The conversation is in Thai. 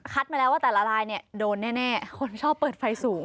มาแล้วว่าแต่ละลายเนี่ยโดนแน่คนชอบเปิดไฟสูง